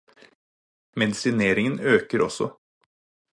Medisineringen øker også.